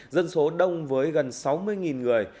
dân số đông với gần sáu mươi người